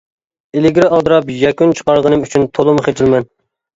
ئىلگىرى ئالدىراپ يەكۈن چىقارغىنىم ئۈچۈن تولىمۇ خىجىلمەن.